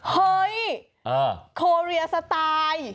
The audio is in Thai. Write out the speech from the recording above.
เฮ้ยโคเรียสไตล์